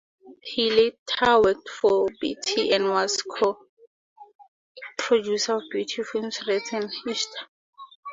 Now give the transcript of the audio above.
He later worked for Beatty and was co-producer of Beatty's films "Reds" and "Ishtar".